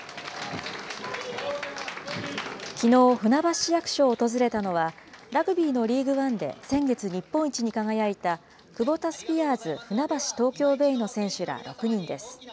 きのう、船橋市役所を訪れたのは、ラグビーのリーグワンで先月、日本一に輝いた、クボタスピアーズ船橋・東京ベイの選手ら６人です。